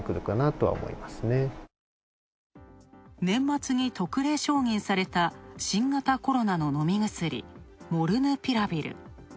年末に特例承認された新型コロナの飲み薬、モルヌピラビル。